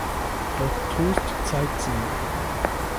Frau Troost zeigt sie.